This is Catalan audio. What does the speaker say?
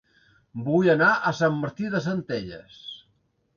Vull anar a Sant Martí de Centelles